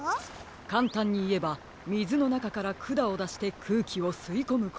かんたんにいえばみずのなかからくだをだしてくうきをすいこむことです。